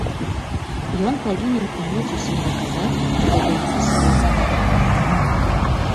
Ён павінен умець усім даказаць, што ён свой.